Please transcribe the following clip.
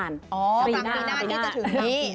อ๋อกลางปีหน้าก็จะถึงนี้